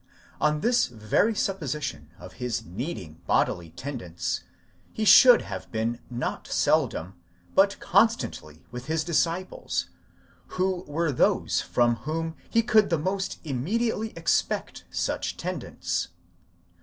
On this very supposition of his needing bodily tendance, he should have been not seldom, but constantly, with his. disciples, who were those from whom he could the most immediately expect such tendance.